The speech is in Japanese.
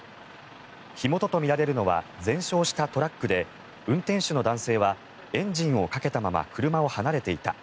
火元とみられるのは全焼したトラックで運転手の男性はエンジンをかけたまま車を離れていた